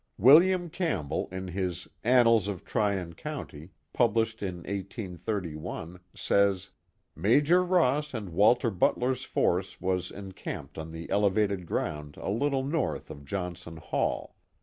William Campbell, in his Annals of Tryon County, published, in 1 83 1, says: *"^^s Major Ross and Walter Butler's force was encamped on the elevated ground a little north of Johnson Hall.